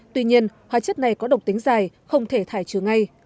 tuy nhiên hóa chất này có độc tính dài không thể thải trừ ngay